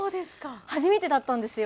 初めてだったんですよ。